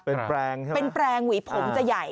เป็นแปลงใช่ไหมเป็นแปลงหวีผมจะใหญ่